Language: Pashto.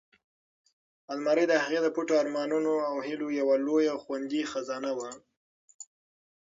المارۍ د هغې د پټو ارمانونو او هیلو یوه لویه او خوندي خزانه وه.